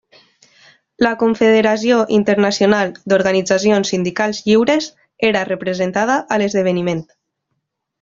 La Confederació Internacional d'Organitzacions Sindicals Lliures era representada a l'esdeveniment.